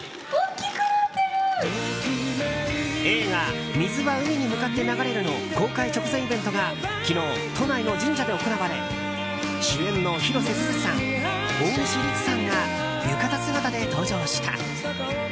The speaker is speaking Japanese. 映画「水は海に向かって流れる」の公開直前イベントが昨日、都内の神社で行われ主演の広瀬すずさん大西利空さんが浴衣姿で登場した。